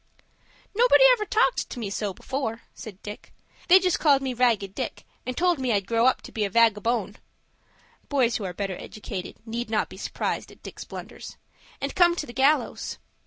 "Nobody ever talked to me so before," said Dick. "They just called me Ragged Dick, and told me I'd grow up to be a vagabone (boys who are better educated need not be surprised at Dick's blunders) and come to the gallows."